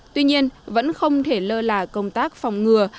tuy nhiên vẫn không thể lơ là công tác phòng ngừa